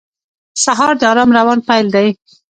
سهار د آرام روان پیل دی.